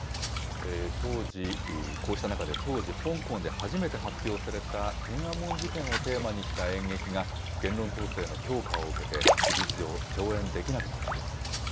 当時、こうした中で、当時、香港で初めて発表された天安門事件をテーマにした演劇が、言論統制の強化を受けて、事実上、上演できなくなっています。